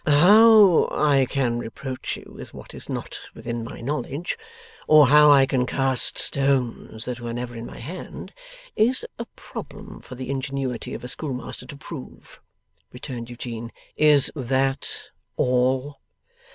'How I can reproach you with what is not within my knowledge, or how I can cast stones that were never in my hand, is a problem for the ingenuity of a schoolmaster to prove,' returned Eugene. 'Is THAT all?